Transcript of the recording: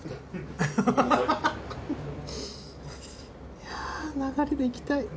いや流れでいきたい。